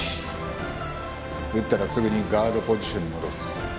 打ったらすぐにガードポジションに戻す。